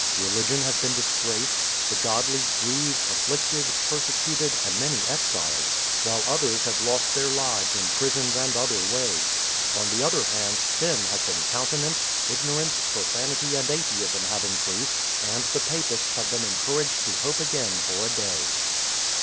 Religion has been disgraced, the godly grieved, afflicted, persecuted, and many exiled, while others have lost their lives in prisons and other ways ; on the other hand, sin has been countenanced, ignorance, profanity, and atheism have increased, and the papists have been encour aged to hope again for a day.